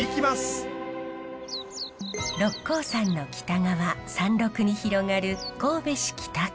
六甲山の北側山麓に広がる神戸市北区。